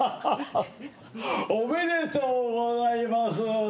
おめでとうございます。